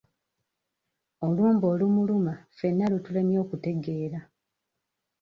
Olumbe olumuluma fenna lutulemye okutegeera.